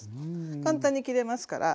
簡単に切れますから。